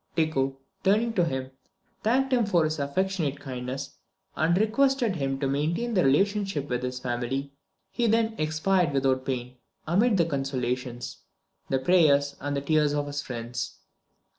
Tycho, turning to him, thanked him for his affectionate kindness, and requested him to maintain the relationship with his family. He then expired without pain, amid the consolations, the prayers, and the tears of his friends.